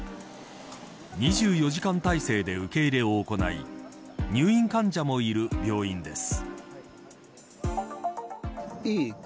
２４時間体制で受け入れを行い入院患者もいる病院です。